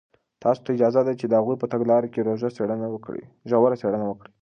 تاسو ته اجازه ده چې د هغوی په تګلارو کې ژوره څېړنه وکړئ.